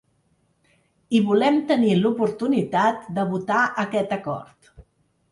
I volem tenir l’oportunitat de votar aquest acord.